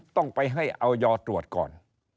ต้องไปให้ออยตรวจก่อน